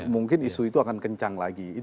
mungkin isu itu akan kencang lagi